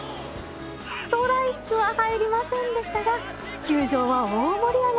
ストライクは入りませんでしたが球場は大盛り上がり！